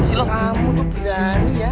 eh kamu tuh berani ya